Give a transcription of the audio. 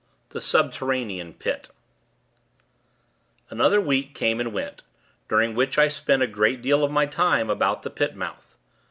XII THE SUBTERRANEAN PIT Another week came and went, during which I spent a great deal of my time about the Pit mouth.